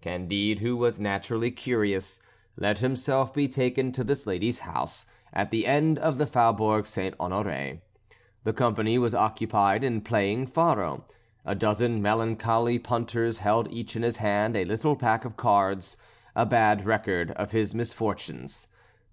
Candide, who was naturally curious, let himself be taken to this lady's house, at the end of the Faubourg St. Honoré. The company was occupied in playing faro; a dozen melancholy punters held each in his hand a little pack of cards; a bad record of his misfortunes.